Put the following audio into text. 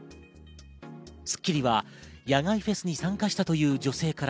『スッキリ』は野外フェスに参加したという女性から